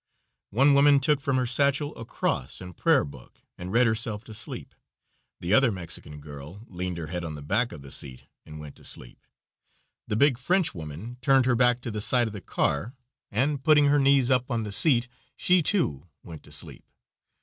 One woman took from her sachel a cross and prayer book, and read herself to sleep. The other Mexican girl leaned her head on the back of the seat and went to sleep. The big Frenchwoman turned her back to the side of the car and putting her knees up on the seat she, too, went to sleep.